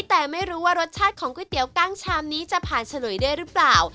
แต่ไม่รู้ว่ารสชาติของก๋วยเตี๋ยวกั้งชามนี้จะผ่านฉลุยได้หรือเปล่า